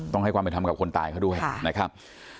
ต้องให้ความเป็นธรรมกับคนตายเขาด้วยนะครับ